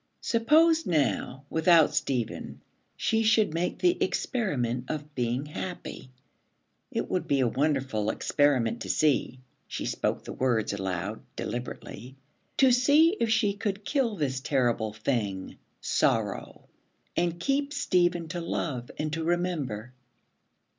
Suppose, now, without Stephen she should make the experiment of being happy. It would be a wonderful experiment to see, she spoke the words aloud, deliberately, to see if she could kill this terrible thing, Sorrow, and keep Stephen to love and to remember.